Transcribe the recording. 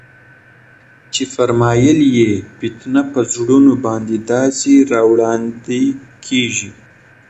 چي فرمايل ئې: فتنې پر زړونو باندي داسي راوړاندي كېږي